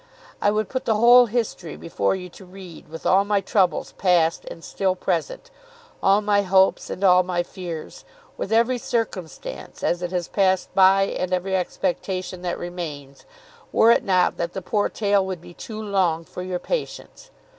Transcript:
I would put the whole history before you to read, with all my troubles past and still present, all my hopes, and all my fears, with every circumstance as it has passed by and every expectation that remains, were it not that the poor tale would be too long for your patience.